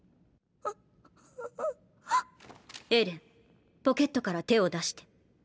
エレンポケットから手を出して。